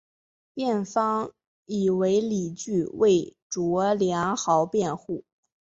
辩方以为理据为卓良豪辩护。